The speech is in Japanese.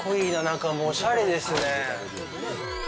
中もおしゃれですね。